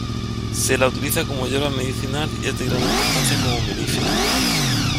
Se la utiliza como hierba medicinal y es de gran importancia como melífera.